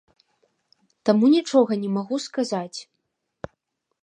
Таму нічога не магу сказаць.